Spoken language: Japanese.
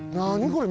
これ。